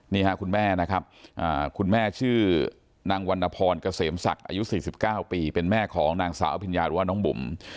นี่ค่ะคุณแม่นะครับคุณแม่ชื่อนางวันนพรเกษมศักดิ์อายุ๔๙ปีเป็นแม่ของนางสาวอภิญญาหรือว่าน้องบุ๋ม